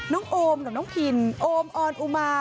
โอมกับน้องพินโอมออนอุมา